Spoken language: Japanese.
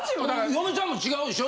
嫁さんも違うでしょ？